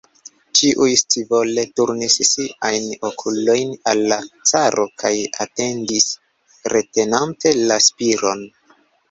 Ĉiuj scivole turnis siajn okulojn al la caro kaj atendis, retenante la spiron.